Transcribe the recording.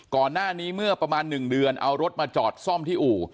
ก่อนหน้านี้เมื่อประมาณ๑เดือนเอารถมาจอดซ่อมที่อู่